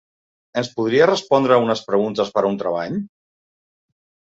Ens podria respondre unes preguntes per a un treball?